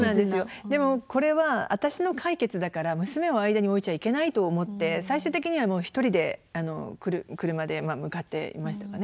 でもこれは私の解決だから娘を間に置いちゃいけないと思って最終的には一人で車で向かっていましたかね